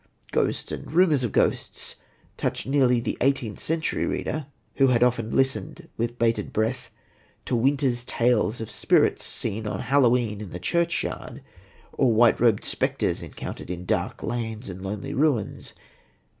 Ghosts, and rumours of ghosts, touched nearly the eighteenth century reader, who had often listened, with bated breath, to winter's tales of spirits seen on Halloween in the churchyard, or white robed spectres encountered in dark lanes and lonely ruins.